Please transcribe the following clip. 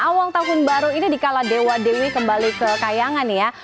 awal tahun baru ini dikala dewa dewi kembali ke kayangan ya